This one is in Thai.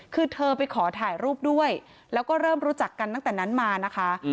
คือเธอไปขอถ่ายรูปด้วยแล้วก็เริ่มรู้จักกันตั้งแต่นั้นมานะคะ